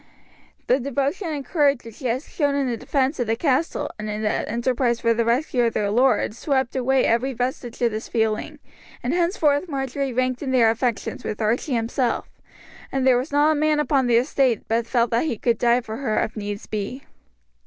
The devotion and courage which she had shown in the defence of the castle and in the enterprise for the rescue of their lord swept away every vestige of this feeling, and henceforth Marjory ranked in their affections with Archie himself, and there was not a man upon the estate but felt that he could die for her if needs be.